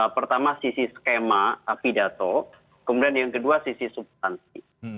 pertama sisi skema pidato kemudian yang kedua sisi substansi